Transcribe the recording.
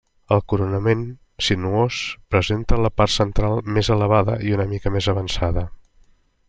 El coronament, sinuós, presenta la part central més elevada i una mica més avançada.